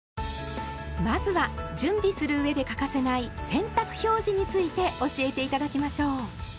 まずは準備する上で欠かせない「洗濯表示」について教えて頂きましょう。